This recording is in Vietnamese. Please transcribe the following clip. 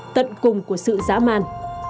tận cùng của sự giá man